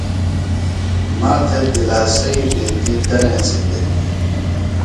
ماتھے دِلاسیئی بیتیۡ دنے زندگی۔